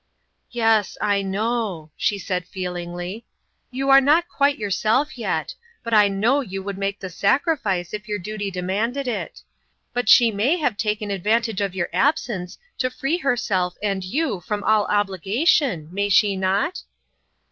" Yes, I know," she said feelingly ;" you are not quite yourself yet, but I know you would make the sacrifice if your duty demand ed it. But she may have taken advantage of your absence to free herself and you from all obligation, may she not